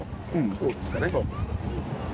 こうですかね。